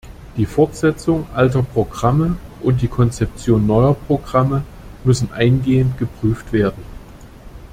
Die Fortsetzung alter Programme und die Konzeption neuer Programme müssen eingehend geprüft werden.